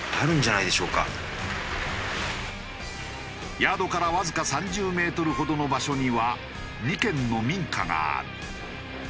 ヤードからわずか３０メートルほどの場所には２軒の民家がある。